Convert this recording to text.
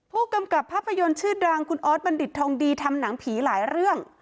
ผู้กำกับภาพยนตร์ชื่อดังคุณออสบัณฑิตทองดีทำหนังผีหลายเรื่อง